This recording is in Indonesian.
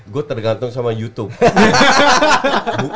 gue tergantung sama youtube